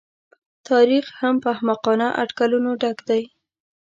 تاریخ هم په احمقانه اټکلونو ډک دی.